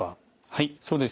はいそうですね。